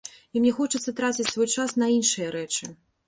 І мне хочацца траціць свой час на іншыя рэчы.